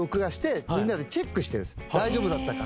大丈夫だったか。